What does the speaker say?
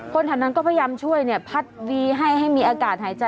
คนแถวนั้นก็พยายามช่วยเนี่ยพัดวีให้ให้มีอากาศหายใจ